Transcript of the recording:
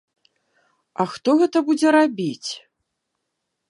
А хто гэта будзе рабіць?